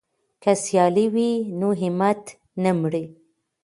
که سیالي وي نو همت نه مري.